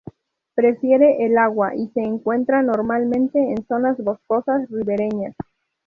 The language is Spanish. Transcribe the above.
Prefiere el agua, y se encuentra normalmente en zonas boscosas ribereñas.